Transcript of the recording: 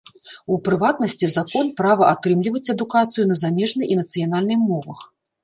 У прыватнасці, закон права атрымліваць адукацыю на замежнай і нацыянальнай мовах.